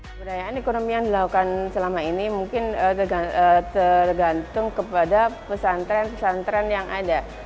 pemberdayaan ekonomi yang dilakukan selama ini mungkin tergantung kepada pesantren pesantren yang ada